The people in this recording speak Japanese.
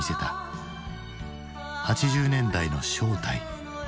「８０年代の正体！